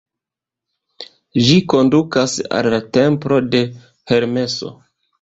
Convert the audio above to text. Ĝi kondukas al la templo de Hermeso.